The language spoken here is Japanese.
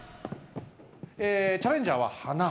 チャレンジャーは「ハナ」